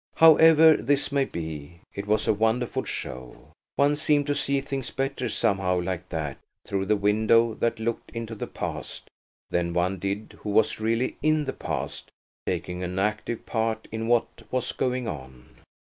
However this may be, it was a wonderful show. One seemed to see things better somehow like that, through the window that looked into the past, than one did who was really in the past taking an active part in what was going on.